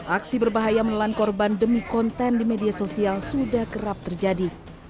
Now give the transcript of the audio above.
aksi berbahaya menelan korban demi konten di media sosial sudah kerap terjadi